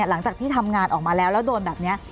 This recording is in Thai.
หลังจากที่ทำงานออกมาแล้วแล้วโดนแบบนี้